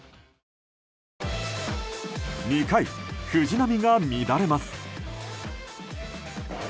２回、藤浪が乱れます。